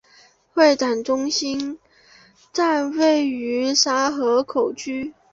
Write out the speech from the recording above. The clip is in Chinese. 会展中心站位于沙河口区。